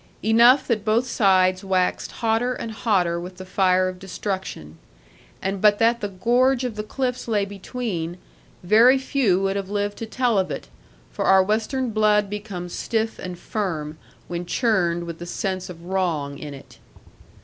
Enough that both sides waxed hotter and hotter with the fire of destruction. And but that the gorge of the cliffs lay between, very few would have lived to tell of it; for our western blood becomes stiff and firm, when churned with the sense of wrong in it.